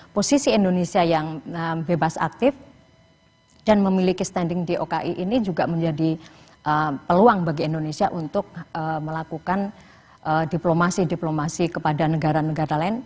posisi indonesia yang bebas aktif dan memiliki standing di oki ini juga menjadi peluang bagi indonesia untuk melakukan diplomasi diplomasi kepada negara negara lain